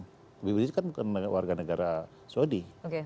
habib rizik kan bukan warga negara saudi